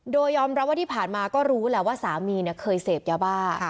โดยยอมรับว่าที่ผ่านมาก็รู้แหละว่าสามีเคยเสพยาบ้า